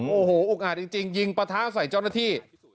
โอ้โหอุกอาจจริงยิงปะทะใส่เจ้าหน้าที่